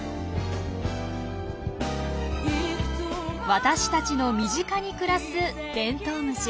私たちの身近に暮らすテントウムシ。